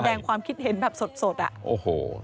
แสดงความคิดเห็นแบบสดอ่ะ